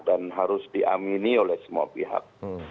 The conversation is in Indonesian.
dan harus diamini oleh semua pihak